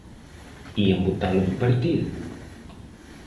¿Ían botalo do partido?